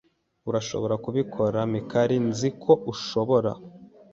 Urashobora kubikora, Mikali, nzi ko ushobora.